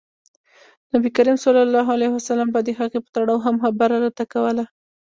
نبي کریم ص به د هغې په تړاو هم خبره راته کوله.